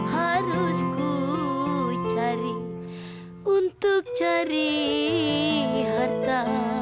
harus ku cari untuk cari harta